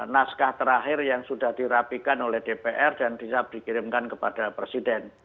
naskah terakhir yang sudah dirapikan oleh dpr dan bisa dikirimkan kepada presiden